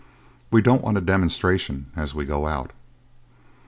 "We don't want a demonstration as we go out."